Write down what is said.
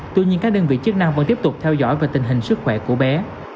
tuy nhiên các đơn vị chức năng vẫn tiếp tục theo dõi về tình hình sức khỏe của bé